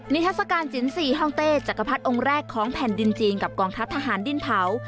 ทัศกาลสินทรีย์ฮ่องเต้จักรพรรดิองค์แรกของแผ่นดินจีนกับกองทัพทหารดิ้นเผา